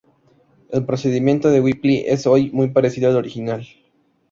El Procedimiento de Whipple de hoy es muy parecido al original.